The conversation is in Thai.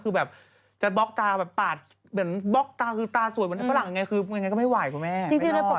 คือบล็อกตรงบล็อกตาอีกนิดนึงคือออกงานได้เลย